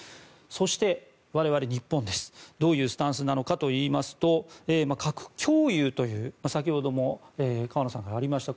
そして、我々日本はどういうスタンスなのかといいますと核共有という先ほども河野さんからありました